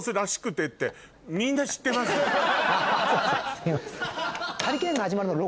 すみません。